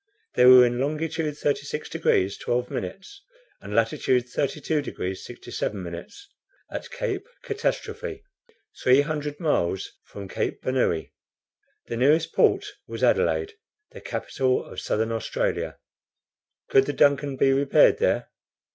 They were in longitude 36 degrees 12 minutes, and latitude 32 degrees 67 minutes, at Cape Catastrophe, three hundred miles from Cape Bernouilli. The nearest port was Adelaide, the Capital of Southern Australia. Could the DUNCAN be repaired there?